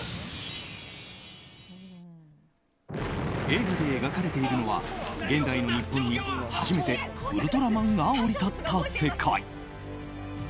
映画で描かれているのは現代の日本に初めてウルトラマンが降り立った世界。